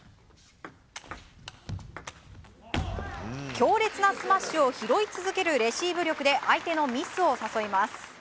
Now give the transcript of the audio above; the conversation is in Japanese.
強烈なスマッシュを拾い続けるレシーブ力で相手のミスを誘います。